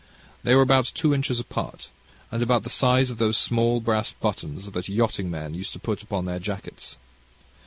They were about two inches apart, and about the size of those small brass buttons that yachting men used to put upon their jackets.